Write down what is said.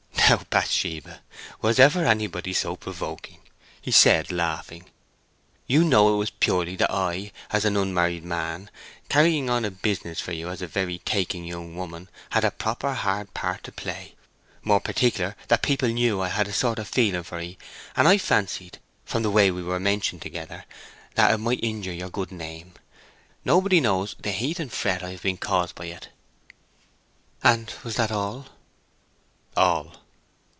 "Now, Bathsheba, was ever anybody so provoking," he said, laughing. "You know it was purely that I, as an unmarried man, carrying on a business for you as a very taking young woman, had a proper hard part to play—more particular that people knew I had a sort of feeling for 'ee; and I fancied, from the way we were mentioned together, that it might injure your good name. Nobody knows the heat and fret I have been caused by it." "And was that all?" "All."